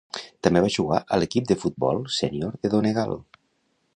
També va jugar a l"equip de futbol sénior de Donegal.